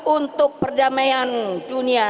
untuk perdamaian dunia